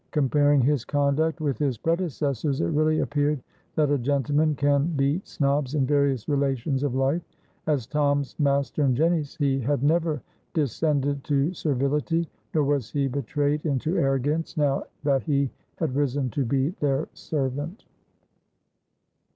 Comparing his conduct with his predecessors', it really appeared that a gentleman can beat snobs in various relations of life. As Tom's master and Jenny's, he had never descended to servility, nor was he betrayed into arrogance now that he had risen to be their servant.